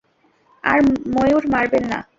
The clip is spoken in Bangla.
আর ময়ূর মারবেন না।